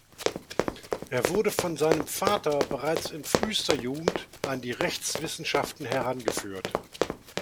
Er wurde von seinem Vater bereits in frühster Jugend an die Rechtswissenschaften herangeführt.